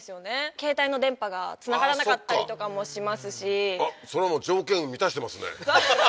携帯の電波がつながらなかったりとかもしますしそれはもう条件を満たしてますねははは